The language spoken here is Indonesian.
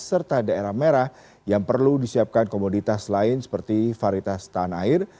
serta daerah merah yang perlu disiapkan komoditas lain seperti varitas tanah air